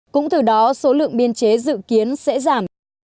cũng từ đó số lượng biên chế dự kiến sẽ giảm